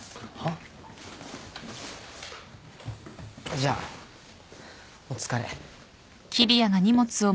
じゃあお疲れ。